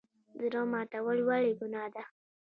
زړه ماتول ولې ګناه ده؟